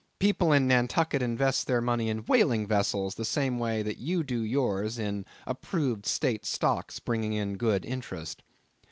People in Nantucket invest their money in whaling vessels, the same way that you do yours in approved state stocks bringing in good interest.